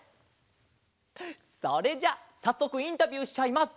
それじゃあさっそくインタビューしちゃいます。